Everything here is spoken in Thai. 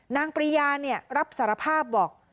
ปริยารับสารภาพบอก